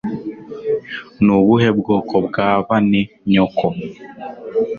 Ni ubuhe bwoko bwa bane nyoko